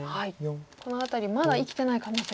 この辺りまだ生きてない可能性もあると。